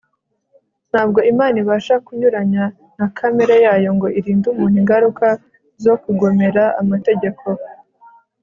ntabwo imana ibasha kunyuranya na kamere yayo ngo irinde umuntu ingaruka zo kugomera amategeko